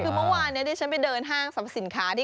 คือเมื่อวานนี้ดิฉันไปเดินห้างสรรพสินค้า